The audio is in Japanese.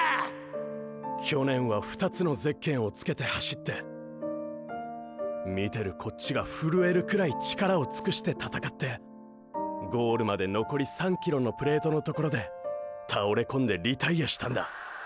去年は２つのゼッケンをつけて走って見てるこっちがふるえるくらい力を尽くして闘ってゴールまでのこり３ｋｍのプレートのところで倒れこんでリタイヤしたんだ。